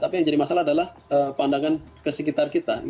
tapi yang jadi masalah adalah pandangan ke sekitar kita